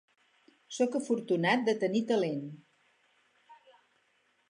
Sóc afortunat de tenir talent.